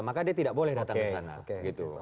maka dia tidak boleh datang ke sana